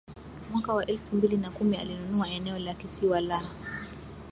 Mwaka wa elfu mbili na kumi alinunua eneo la kisiwa la